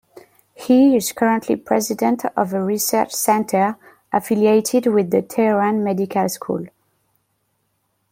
He is currently president of a research center affiliated with the Tehran medical school.